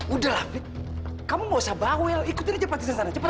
udah lah fed kamu nggak usah bahu ya ikutin aja patristana cepet